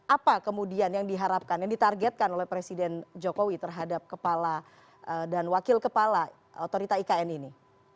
apa kemudian yang diharapkan yang ditargetkan oleh presiden jokowi terhadap kepala dan wakil kepala otorita ikn ini